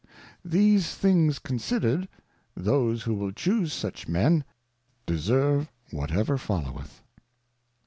These things considered, those who will chuse such men deserve whatever foUoweth.